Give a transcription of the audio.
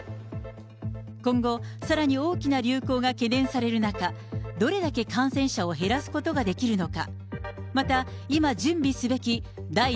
今後、さらに大きな流行が懸念される中、どれだけ感染者を減らすことができるのか。